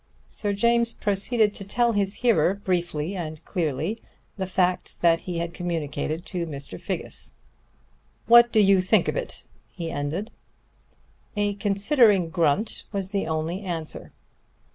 Sir James proceeded to tell his hearer, briefly and clearly, the facts that he had communicated to Mr. Figgis. "What do you think of it?" he ended. A considering grunt was the only answer.